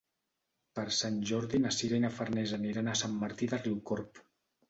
Per Sant Jordi na Sira i na Farners aniran a Sant Martí de Riucorb.